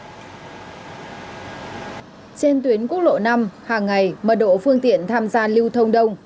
trên tuyến quốc lộ năm hàng ngày mật độ phương tiện tham gia lưu thông đông